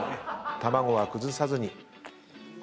卵は崩さずに。